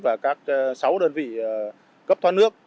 và các sáu đơn vị cấp thoát nước